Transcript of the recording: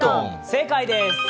正解です。